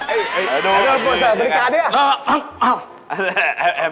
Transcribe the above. เสิร์ฟบริการเนี่ย